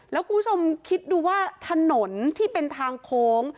แล้วคุณผู้ชมคิดดูว่าถนนที่เป็นทางโค้ง